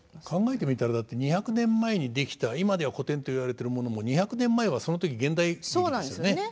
考えてみたらだって２００年前に出来た今では古典と言われているものも２００年前はその時現代劇ですからね。